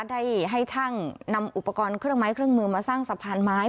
ได้ให้ช่างนำอุปกรณ์เครื่องไม้เครื่องมือมาสร้างสะพานไม้